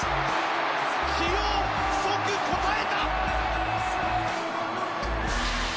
起用即応えた！